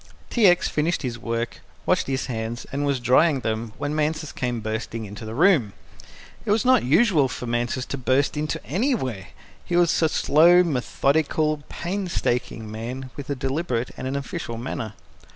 T. X. finished his work, washed his hands, and was drying them when Mansus came bursting into the room. It was not usual for Mansus to burst into anywhere. He was a slow, methodical, painstaking man, with a deliberate and an official, manner.